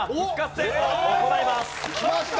きました！